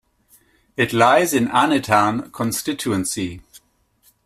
It lies in Anetan Constituency.